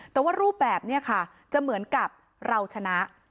แต่ว่ารูปแบบนี้ค่ะจะเหมือนกับเราชนะ